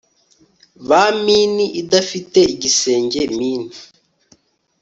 Ba min idafite igisenge min